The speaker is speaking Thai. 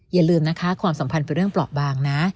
อย่าลืมนะคะความสัมพันธ์เป็นเรื่องเปราะบางนะ